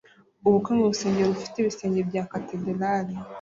Ubukwe mu rusengero rufite ibisenge bya katedrali